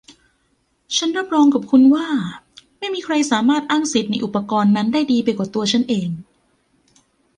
ฉันรับรองกับคุณว่าไม่มีใครสามารถอ้างสิทธิ์ในอุปกรณ์นั้นได้ดีไปกว่าตัวฉันเอง